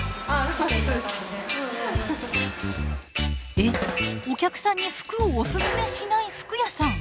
えお客さんに服をオススメしない服屋さん！